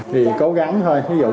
thì cố gắng thôi